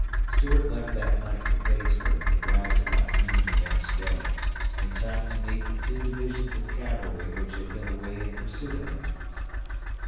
Stuart left that night for Gettysburg and arrived about noon the next day, in time to meet the two divisions of cavalry which had been away in pursuit of him.